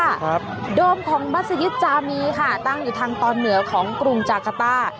ครับโดมของมัศยิตจามีค่ะตั้งอยู่ทางตอนเหนือของกรุงจากาต้า